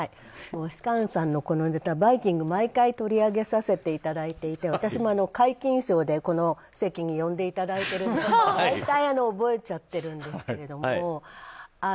芝翫さんのこのネタ「バイキング」で毎回取り上げさせてもらってて私も皆勤賞で、この席に呼んでいただいてるんですけど大体、覚えちゃっているんですけれども。